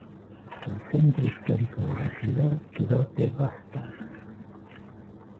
El centro histórico de la ciudad quedó devastado.